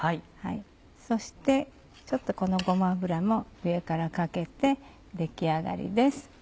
そしてちょっとこのごま油も上からかけて出来上がりです。